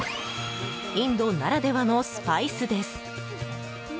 インドならではのスパイスです。